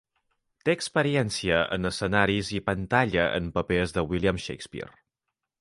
Té experiència en escenaris i pantalla en papers de William Shakespeare.